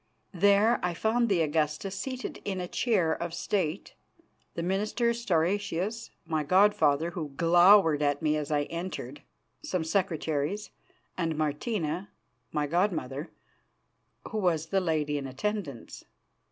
There I found the Augusta seated in a chair of State, the minister Stauracius, my god father, who glowered at me as I entered, some secretaries, and Martina, my god mother, who was the lady in attendance.